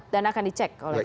dan akan dicek